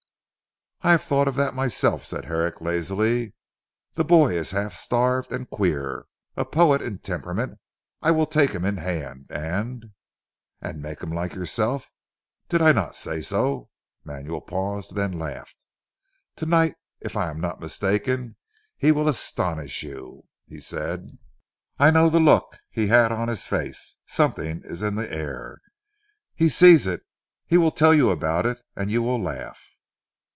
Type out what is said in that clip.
"I have thought of that myself," said Herrick lazily, "the boy is half starved and queer a poet in temperament. I will take him in hand, and " "And make him like yourself. Did I not say so?" Manuel paused, then laughed. "To night if I am not mistaken he will astonish you," he said. "I know the look he had on his face. Something is in the air. He sees it he will tell you about it, and you will laugh."